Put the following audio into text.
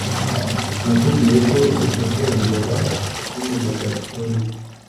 Nakubwiye ko utazongera kumpamagara ukundi.